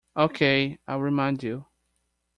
Okay, I'll remind you.